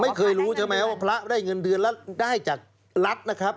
ไม่เคยรู้ใช่ไหมว่าพระได้เงินเดือนแล้วได้จากรัฐนะครับ